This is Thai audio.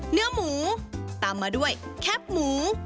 เนื้อหมูตามมาด้วยแคบหมู